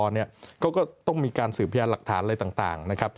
เขาก็ต้องมีการสืบแผนหลักฐานอะไรต่าง